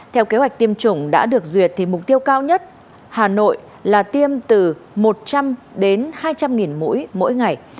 theo kế hoạch tiêm chủng đã được duyệt thì mục tiêu cao nhất hà nội là tiêm từ một trăm linh đến hai trăm linh mũi mỗi ngày